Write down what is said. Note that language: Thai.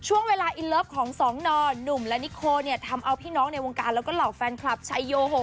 ช่วงเวลาอินเลิฟของสองนอหนุ่มและนิโคเนี่ยทำเอาพี่น้องในวงการแล้วก็เหล่าแฟนคลับชัยโยโห